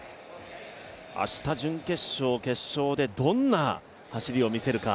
明日、準決勝、決勝でどんな走りを見せるか。